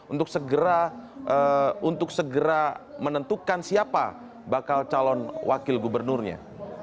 untuk segera untuk segera menentukan siapa bakal calon wakil gubernurnya